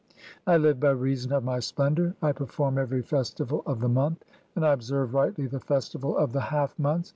I live by reason of my splendour, (5) I perform "every festival of the month, and I observe rightly the festival "of the half month.